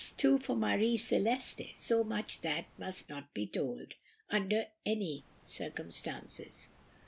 too, for Marie Celeste so much that must not be told, under any circumstances.